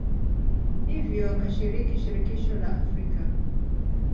hivyo wakashiriki Shirikisho la Afrika